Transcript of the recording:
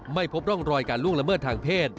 ไม่พบร่องรอยการล่วงละเมิดทางเพศ